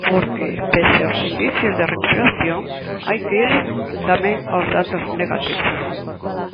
Porque, pese aos indicios de recuperación, hai que ir tamén aos datos negativos.